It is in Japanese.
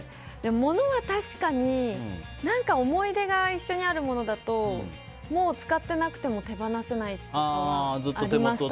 物は確かに思い出が一緒にあるものだと使っていなくても手放せないのはあります、